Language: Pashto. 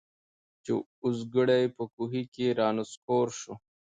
چي اوزګړی په کوهي کي را نسکور سو